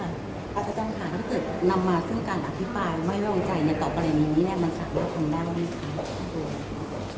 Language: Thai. อาทธันต์ค่ะถ้าเกิดนำมาซึ่งการอธิบายไม่ร่วงใจต่อไปอะไรมีแน่มันสามารถคงได้ไหมคะ